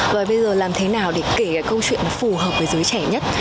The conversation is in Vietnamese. và bây giờ làm thế nào để kể cái câu chuyện nó phù hợp với giới trẻ nhất